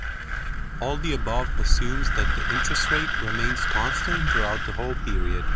All the above assumes that the interest rate remains constant throughout the whole period.